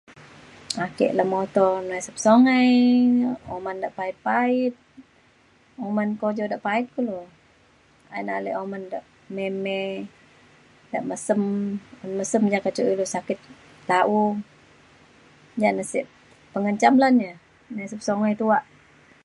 ake lemuto nesep songai oman da pait pait oman kojau da' pait kulo. ayen ale oman de mei mei de' mesem un mesem da je kecuk ilu sakit la'u jana sek pengenjam lan ye nesep songai tuak